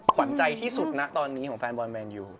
ขวัญใจที่สุดนะตอนนี้ของแฟนบอลแมนยู